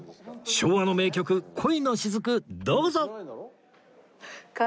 昭和の名曲『恋のしずく』どうぞ！